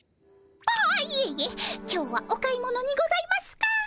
ああいえいえ今日はお買い物にございますか？